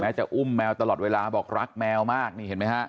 จะอุ้มแมวตลอดเวลาบอกรักแมวมากนี่เห็นไหมฮะ